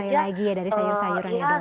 sekali lagi ya dari sayur sayurannya doang